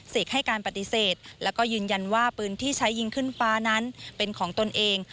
ให้การปฏิเสธแล้วก็ยืนยันว่าปืนที่ใช้ยิงขึ้นฟ้านั้นเป็นของตนเอง